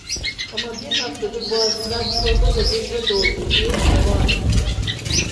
Ama bir haftadır boğazından çorba da geçmez oldu diye devam etti.